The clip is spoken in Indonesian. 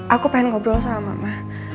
aku pengen ngobrol sama mama